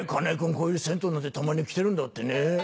こういう銭湯なんてたまに来てるんだってね。